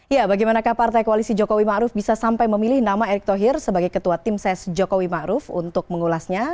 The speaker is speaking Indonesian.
ya bagaimana kapal partai koalisi jokowi ma'ruf bisa sampai memilih nama erick thohir sebagai ketua tim ses jokowi ma'ruf untuk mengulasnya